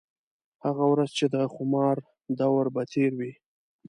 هغه ورځ چې د خومار دَور به تېر وي